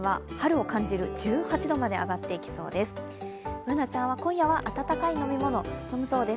Ｂｏｏｎａちゃんは今夜は温かい飲み物を飲むそうです。